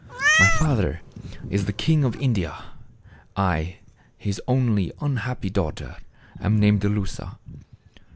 " My father is the king of India. I, his only and unhappy daughter, am named Lusa.